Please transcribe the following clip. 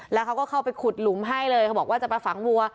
แล้วเขาก็เข้าไปขุดหลุมให้เลยเขาบอกว่าจะไปฝังวัว